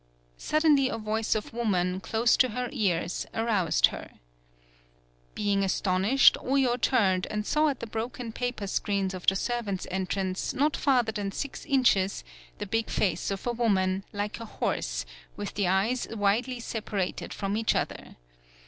Suddenly, a voice of woman, close to her ears, aroused her. Being astonished, Oyo turned and saw at the broken paper screens of the servants' entrance not farther than six inches, the big face of woman, like a horse, with the eyes widely separated from each other.